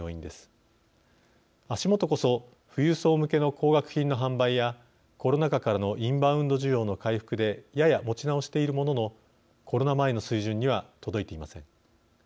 足元こそ富裕層向けの高額品の販売やコロナ禍からのインバウンド需要の回復でやや持ち直しているもののコロナ前の水準には届いていません。